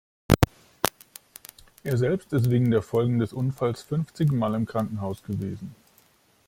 Er selbst ist wegen der Folgen des Unfalls fünfzig Mal im Krankenhaus gewesen.